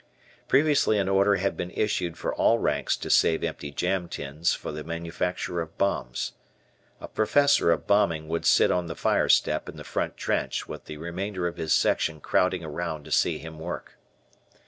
Previously an order had been issued for all ranks to save empty jam tins for the manufacture of bombs. A Professor of Bombing would sit on the fire step in the front trench with the remainder of his section crowding around to see him work.